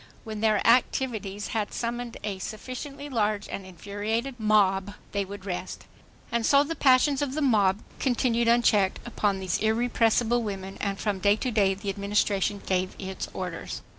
When their activities had summoned a sufficiently large and infuriated mob, they would rest. And so the passions of the mob continued unchecked upon these irrepressible women, and from day to day the Administration gave its orders.